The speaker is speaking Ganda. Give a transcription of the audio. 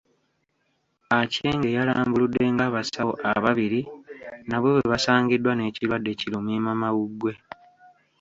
Aceng yalambuludde ng'abasawo abiri nabo bwe basangiddwa n'ekirwadde ki lumiimamawuggwe.